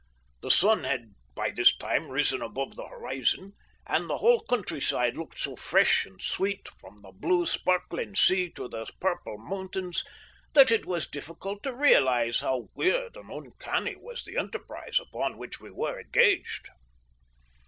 The sun had by this time risen above the horizon, and the whole countryside looked so fresh and sweet, from the blue, sparkling sea to the purple mountains, that it was difficult to realise how weird and uncanny was the enterprise upon which we were engaged.